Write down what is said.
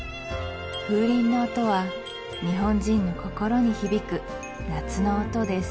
風鈴の音は日本人の心に響く夏の音です